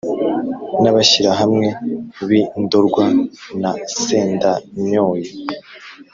N'abashyirahamwe b'i Ndorwa na Sendanyoye